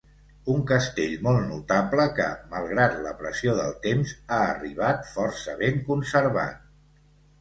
Un castell molt notable que, malgrat la pressió del temps, ha arribat força ben conservat.